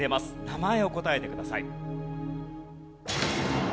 名前を答えてください。